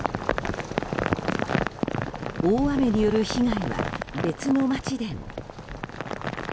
大雨による被害は別の町でも。